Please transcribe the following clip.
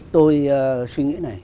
tôi suy nghĩ này